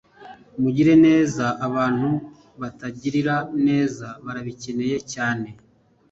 Mugirire neza abantu batagirira neza, barabikeneye cyane.